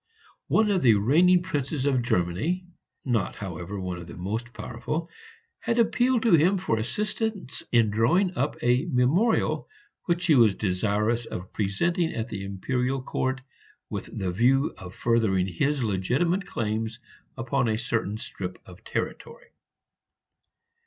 One of the reigning princes of Germany not, however, one of the most powerful had appealed to him for assistance in drawing up a memorial, which he was desirous of presenting at the Imperial Court with the view of furthering his legitimate claims upon a certain strip of territory.